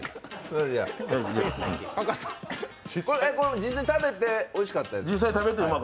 これ、実際食べておいしかったですか？